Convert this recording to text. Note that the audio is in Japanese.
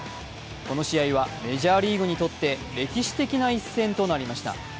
この試合はメジャーリーグにとって歴史的な一戦となりました。